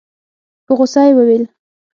په غوسه يې وويل.